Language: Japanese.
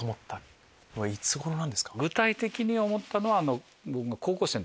具体的に思ったのは。